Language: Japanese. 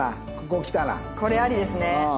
これありですね。